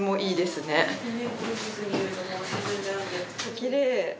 きれい。